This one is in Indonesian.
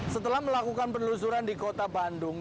setelah melakukan penelusuran di kota bandung